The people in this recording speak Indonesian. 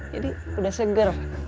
jadi udah seger